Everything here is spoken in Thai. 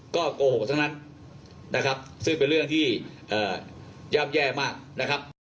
ก็โกหกทั้งนั้นซึ่งเป็นเรื่องที่ย่ำแย่มาก